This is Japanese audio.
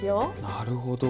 なるほど。